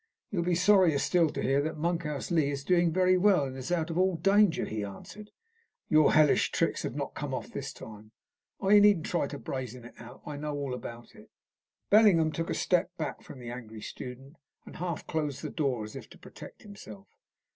"You'll be sorrier still to hear that Monkhouse Lee is doing very well, and is out of all danger," he answered. "Your hellish tricks have not come off this time. Oh, you needn't try to brazen it out. I know all about it." Bellingham took a step back from the angry student, and half closed the door as if to protect himself.